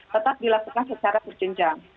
tetap dilakukan secara terjenjang